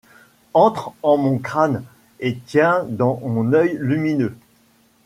Entre en mon crâne, et tient dans mon œil lumineux.